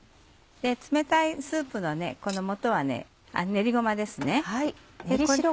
冷たいスープのこのもとは練りごまですね。